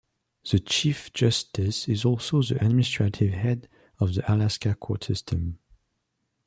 The chief justice is also the administrative head of the Alaska Court System.